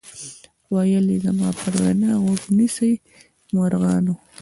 ویل زما پر وینا غوږ نیسۍ مرغانو